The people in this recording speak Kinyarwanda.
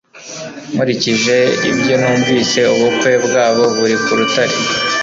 Nkurikije ibyo numvise ubukwe bwabo buri ku rutare